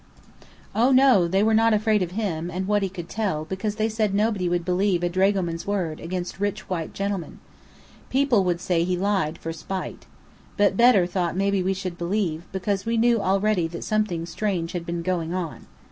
Oh, no, they were not afraid of him, and what he could tell, because they said nobody would believe a dragoman's word, against rich white gentlemen. People would say he lied, for spite. But Bedr thought maybe we should believe, because we knew already that something strange had been going on.